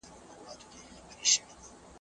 ځينې کلمې يوه څپه لري.